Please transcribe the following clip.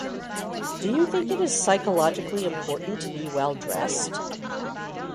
Do you think it is psychologically important to be well-dressed?